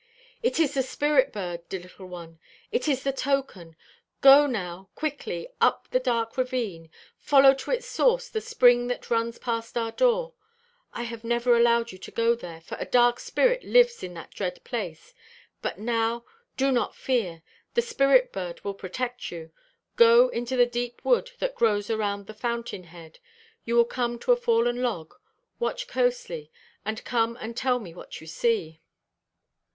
"It is the spirit bird, dear little one; it is the token. Go now, quickly, up the dark ravine; follow to its source the spring that runs past our door. I have never allowed you to go there, for a dark spirit lives in that dread place; but now, do not fear; the spirit bird will protect you. Go into the deep wood that grows around the fountain head. You will come to a fallen log. Watch closely; and come and tell me what you see."